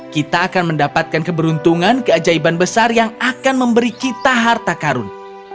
kita akan mendapatkan keberuntungan keajaiban besar yang akan memberi kita harta karun